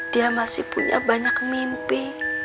dia masih punya banyak mimpi